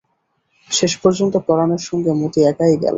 শেষপর্যন্ত পরাণের সঙ্গে মতি একাই গেল।